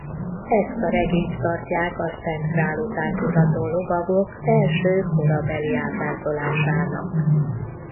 Ezt a regényt tartják a Szent Grál után kutató lovagok első korabeli ábrázolásának.